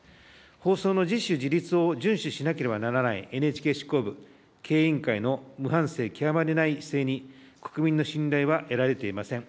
放送の自主・自律を順守しなければならないＮＨＫ執行部、経営委員会の無反省極まりない姿勢に国民の信頼は得られていません。